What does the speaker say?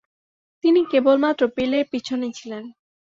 তিনি কেবলমাত্র পেলের পিছনে ছিলেন।